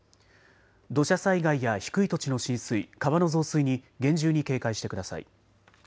土砂災害や低い土地の浸水、川の増水に厳重に警戒してください。